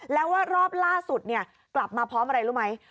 แล้วว่ารอบล่าสุดกลับมาพร้อมอะไรรู้ไหม